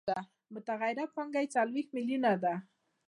متغیره پانګه یې څلوېښت میلیونه ده